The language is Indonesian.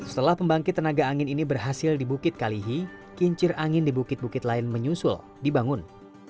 setelah pembangkit tenaga angin ini berhasil di bukit kalihi kincir angin di bukit bukit lain menyusul dibangun